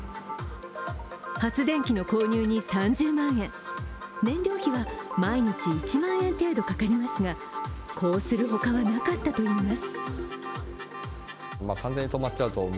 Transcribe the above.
発電機の購入に３０万円、燃料費は毎日１万円程度かかりますがこうする他はなかったといいます。